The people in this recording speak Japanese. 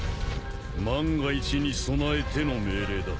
万が一に備えての命令だ。